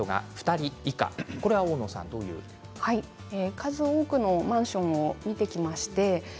数多くのマンションを見てきました。